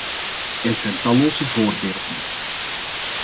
Er zijn talloze voorbeelden.